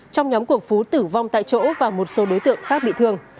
trong nhóm của phú tử vong tại chỗ và một số đối tượng khác bị thương